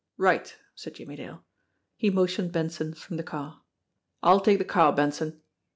"Right!" said Jimmie Dale. He motioned Benson from the car. "I'll take the car, Benson."